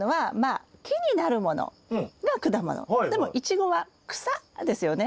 でもイチゴは草ですよね。